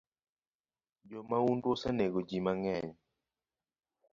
Jo maundu osenego jii mangeny